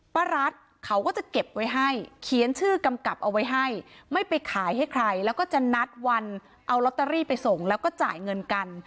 รัฐเขาก็จะเก็บไว้ให้เขียนชื่อกำกับเอาไว้ให้ไม่ไปขายให้ใครแล้วก็จะนัดวันเอาลอตเตอรี่ไปส่งแล้วก็จ่ายเงินกัน